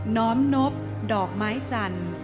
้อมนบดอกไม้จันทร์